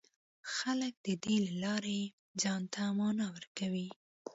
خلک د دې له لارې ځان ته مانا ورکوي.